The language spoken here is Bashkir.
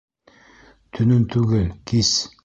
Төнөн түгел, кис!